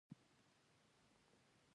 سفر د پوهې او تجربې تر ټولو ښکلې لاره ده.